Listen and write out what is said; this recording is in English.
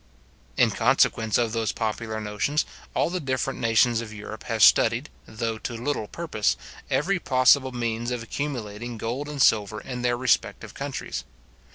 In consequence of those popular notions, all the different nations of Europe have studied, though to little purpose, every possible means of accumulating gold and silver in their respective countries.